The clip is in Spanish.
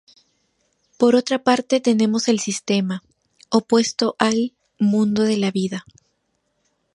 Por otra parte tenemos el sistema, opuesto al "mundo de la vida".